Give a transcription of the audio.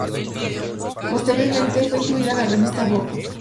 Posteriormente, fue incluida en la revista Vogue.